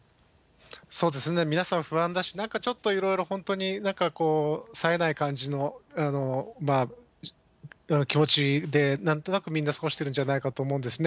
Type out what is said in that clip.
そうですね、皆さん不安だし、なんかちょっといろいろ本当になんかこう、さえない感じの気持ちで、なんとなくみんな過ごしてるんじゃないかと思うんですよね。